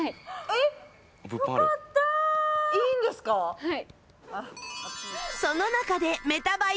はい。